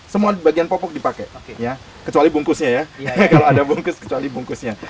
semua bagian pupuk dipakai kecuali bungkusnya ya kalau ada bungkus kecuali bungkusnya